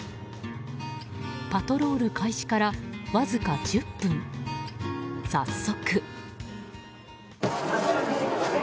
パトロール開始からわずか１０分早速。